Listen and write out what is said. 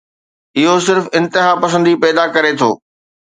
اهو صرف انتهاپسندي پيدا ڪري ٿو.